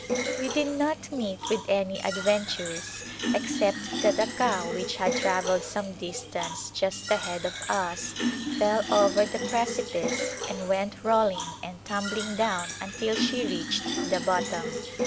We did not meet with any adventures, except that a cow which had travelled some distance just ahead of us fell over the precipice and went rolling and tum bling down until she reached the bottom.